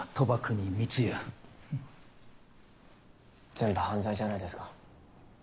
全部犯罪じゃないですか。